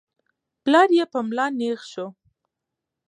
پلار يې په ملا نېغ شو.